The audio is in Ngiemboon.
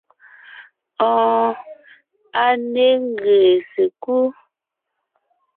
Oon, a ne ńgèè sekú.